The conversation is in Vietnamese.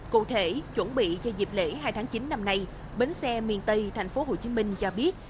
cụ thể chuẩn bị cho dịp lễ hai tháng chín năm nay bến xe miền tây tp hcm cho biết